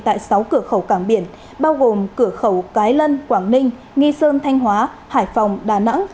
tại sáu cửa khẩu cảng biển bao gồm cửa khẩu cái lân quảng ninh nghi sơn thanh hóa hải phòng đà nẵng